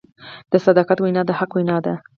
د صداقت وینا د حق وینا ده.